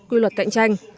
quy luật cạnh tranh